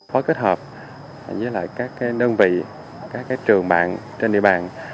phối kết hợp với các đơn vị các trường mạng trên địa bàn